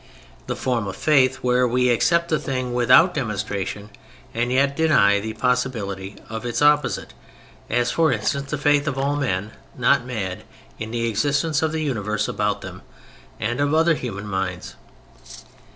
The form of Faith, where we accept the thing without demonstration and yet deny the possibility of its opposite, as for instance, the faith of all men, not mad, in the existence of the universe about them, and of other human minds.